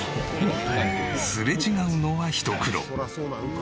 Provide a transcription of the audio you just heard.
すれ違うのはひと苦労。